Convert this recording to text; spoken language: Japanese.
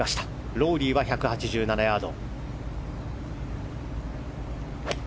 ロウリーは１８７ヤード。